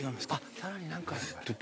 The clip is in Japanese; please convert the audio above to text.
さらに何か。